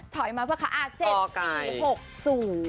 ถอยมาเมื่อกี้ครับ๗๔๖๐